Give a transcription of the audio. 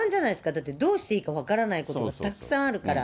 だってどうしていいか分からないことがたくさんあるから。